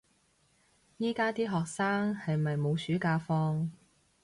而家啲學生係咪冇暑假放